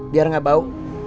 biar nggak bau